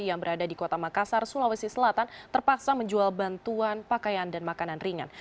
yang berada di kota makassar sulawesi selatan terpaksa menjual bantuan pakaian dan makanan ringan